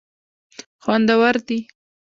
خوندور دي.